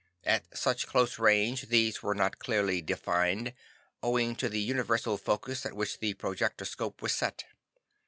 At such close range these were not clearly defined, owing to the universal focus at which the projectoscope was set.